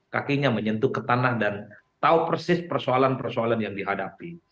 kakinya menyentuh ke tanah dan tahu persis persoalan persoalan yang dihadapi